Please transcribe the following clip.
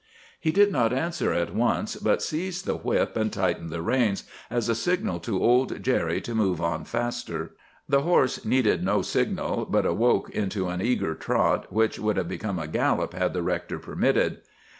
He did not answer at once, but seized the whip and tightened the reins, as a signal to old Jerry to move on faster. "The horse needed no signal, but awoke into an eager trot, which would have become a gallop had the rector permitted.